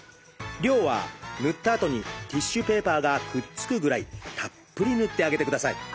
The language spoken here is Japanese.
量は塗ったあとにティッシュペーパーがくっつくぐらいたっぷり塗ってあげてください。